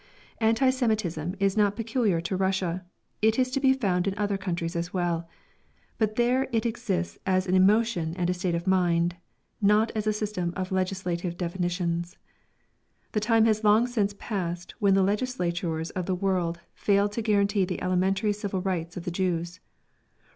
Anti Semitism is not peculiar to Russia; it is to be found in other countries as well. But there it exists as an emotion and a state of mind, not as a system of legislative definitions. The time has long since passed when the legislatures of the world failed to guarantee the elementary civil rights of the Jews.